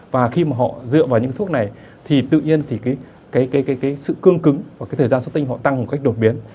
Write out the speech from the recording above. và khi mà họ dựa vào những cái thuốc này thì tự nhiên thì cái sự cương cứng và cái thời gian xuất tinh họ tăng một cách đột biến